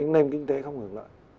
nên kinh tế không hưởng lợi